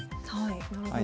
なるほど。